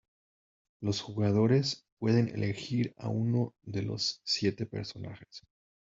Los jugadores pueden elegir a uno de los siete personajes.